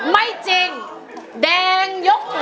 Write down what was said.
ไม่จริงแดงยก๑